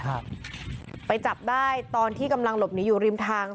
ครับไปจับได้ตอนที่กำลังหลบหนีอยู่ริมทาง